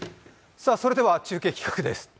それでは中継企画です。